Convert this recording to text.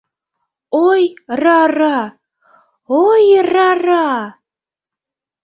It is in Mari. Ой-ра-ра, ой-ра-ра